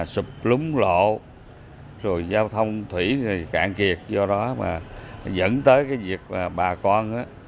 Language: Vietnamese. sụp lúng lộ rồi giao thông thủy cạn kiệt do đó mà dẫn tới việc bà con